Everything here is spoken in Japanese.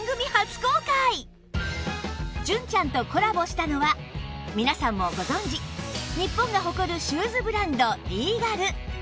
純ちゃんとコラボしたのは皆さんもご存じ日本が誇るシューズブランド ＲＥＧＡＬ